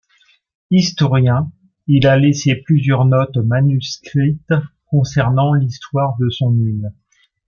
Historien, il a laissé plusieurs notes manuscrites concernant l'histoire de son île.